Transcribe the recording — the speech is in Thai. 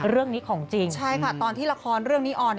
เรื่องนี้ของจริงใช่ค่ะตอนที่ละครเรื่องนี้ออน